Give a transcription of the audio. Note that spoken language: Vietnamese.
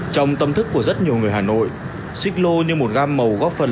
trong tâm thức của rất nhiều người hà nội xích lô như một gam màu góp phần